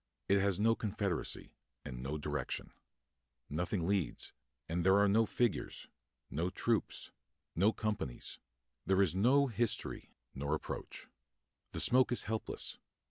It has no confederacy, and no direction. Nothing leads, and there are no figures, no troops, no companies; there is no history, nor approach. The smoke is helpless.